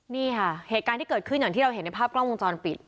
นี่ค่ะเหตุการณ์ที่เกิดขึ้นอย่างที่เราเห็นในภาพกล้องวงจรปิด